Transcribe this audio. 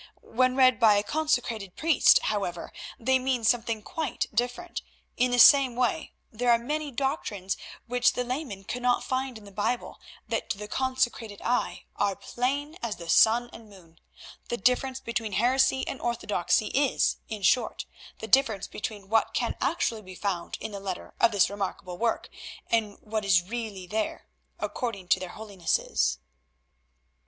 When read by a consecrated priest, however, they mean something quite different. In the same way, there are many doctrines which the layman cannot find in the Bible that to the consecrated eye are plain as the sun and the moon. The difference between heresy and orthodoxy is, in short, the difference between what can actually be found in the letter of this remarkable work, and what is really there—according to their holinesses."